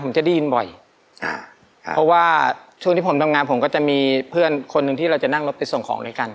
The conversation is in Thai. ผมจะได้ยินบ่อยอ่าครับเพราะว่าช่วงที่ผมทำงานผมก็จะมีเพื่อนคนหนึ่งที่เราจะนั่งรถไปส่งของด้วยกัน